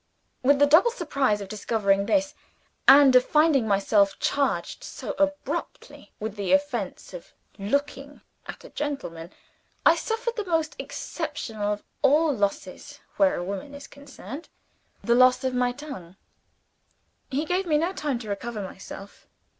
In the double surprise of discovering this, and of finding myself charged so abruptly with the offense of looking at a gentleman, I suffered the most exceptional of all losses (where a woman is concerned) the loss of my tongue. He gave me no time to recover myself.